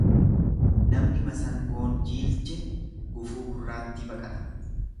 Namni masangoon jiilche gufuu gurraattii baqata.